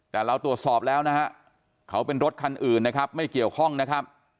แต่เราตรวจสอบแล้วนะฮะเขาเป็นรถคันอื่นนะครับไม่เกี่ยวข้องนะครับ